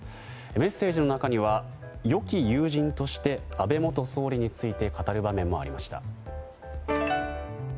メッセージの中には良き友人として安倍元総理について語る場面もありました。